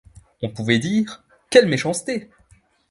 On pouvait dire: quelle méchanceté!